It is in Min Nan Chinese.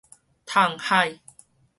迵海